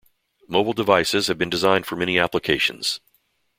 Mobile devices have been designed for many applications.